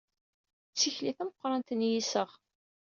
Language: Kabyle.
D tikli tameqqrant n yiseɣ.